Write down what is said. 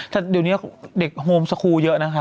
แต่เดี๋ยวนี้เด็กโฮมสคูลเยอะนะคะ